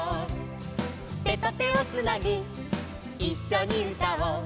「手と手をつなぎいっしょにうたおう」